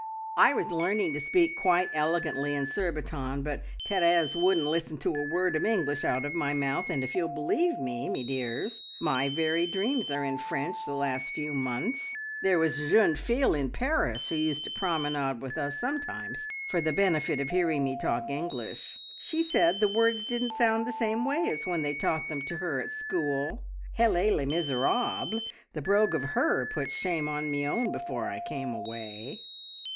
"I was learning to speak quite elegantly in Surbiton, but Therese wouldn't listen to a word of English out of my mouth, and if you'll believe me, me dears, my very dreams are in French the last few months. There was a jeune fille in Paris who used to promenade with us sometimes for the benefit of hearing me talk English. She said the words didn't sound the same way as when they taught them to her at school. Helas le miserable! The brogue of her put shame on me own before I came away."